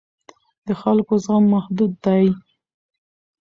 د خلکو زغم محدود دی